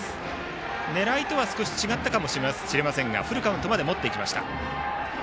狙いとは少し違ったかもしれませんがフルカウントまで持っていきました。